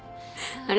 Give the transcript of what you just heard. あれ？